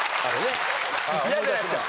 イヤじゃないですか。